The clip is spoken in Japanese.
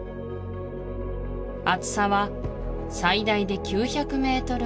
厚さは最大で９００メートル